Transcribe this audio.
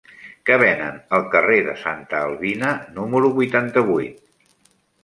Què venen al carrer de Santa Albina número vuitanta-vuit?